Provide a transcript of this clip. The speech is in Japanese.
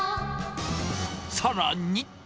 さらに。